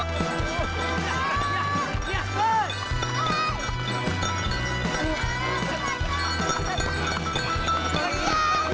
proyek bisa ditempuh